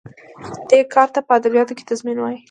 دې کار ته په ادبیاتو کې تضمین وايي.